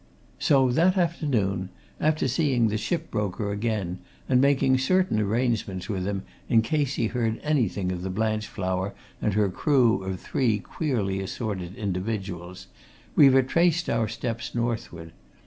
So that afternoon, after seeing the ship broker again, and making certain arrangements with him in case he heard anything of the Blanchflower and her crew of three queerly assorted individuals, we retraced our steps northward.